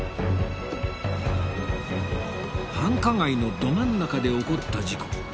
繁華街のど真ん中で起こった事故